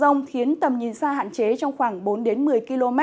rông khiến tầm nhìn xa hạn chế trong khoảng bốn một mươi km